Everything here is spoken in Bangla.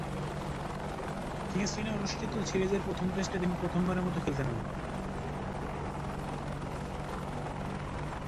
কিংস্টনে অনুষ্ঠিত সিরিজের প্রথম টেস্টে তিনি প্রথমবারের মতো খেলতে নামেন।